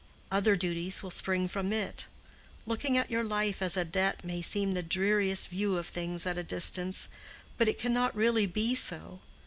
"Other duties will spring from it. Looking at your life as a debt may seem the dreariest view of things at a distance; but it cannot really be so.